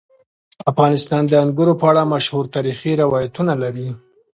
افغانستان د انګور په اړه مشهور تاریخی روایتونه لري.